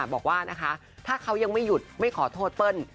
บอกว่านะคะถ้าเขายังไม่หยุดไม่ขอโทษเปิ้ล